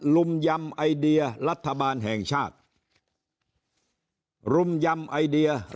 รุมยำไอเดียรัฐบาลแห่งชาติ